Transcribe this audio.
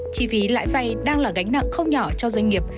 chi phí lãi vay đang là gánh nặng không nhỏ cho doanh nghiệp